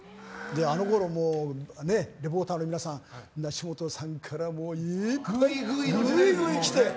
あのころ、レポーターの皆さん梨本さんから、いっぱいグイグイ来て。